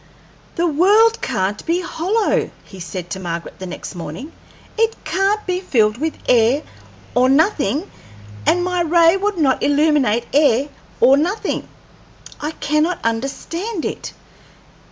"The world can't be hollow!" he said to Margaret the next morning. "It can't be filled with air, or nothing, and my ray would not illuminate air or nothing. I cannot understand it.